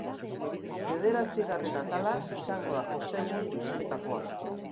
Bederatzigarren atala izango da ostegun honetakoa.